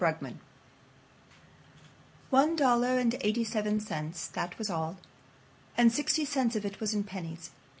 Henry One dollar and eighty seven cents. That was all. And sixty cents of it was in pennies.